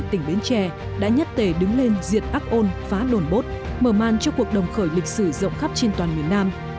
tỉnh bến tre đã nhất tề đứng lên diệt ác ôn phá đồn bốt mở màn cho cuộc đồng khởi lịch sử rộng khắp trên toàn miền nam